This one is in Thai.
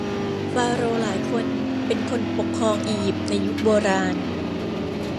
ฟาโรห์หลายคนเป็นคนปกครองอิยิปต์ในยุคโบราณ